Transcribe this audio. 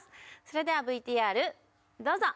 それではＶＴＲどうぞ！